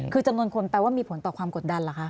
คือจำนวนคนแปลว่ามีผลต่อความกดดันเหรอคะ